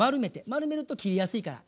丸めると切りやすいから。